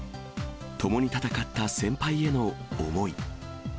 共に戦った先輩への思い。